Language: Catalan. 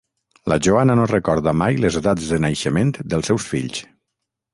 La Joana no recorda mai les edats de naixement dels seus fills.